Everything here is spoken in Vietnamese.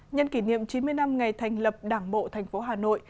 nhân kỷ niệm chín mươi năm ngày thành lập đảng bộ thành phố hà nội